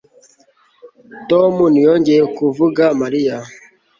Tom ntiyongeye kuvuga Mariya